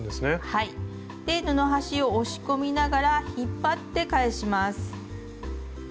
で布端を押し込みながら引っ張って返します。